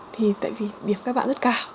thì tại vì điểm các bạn rất cao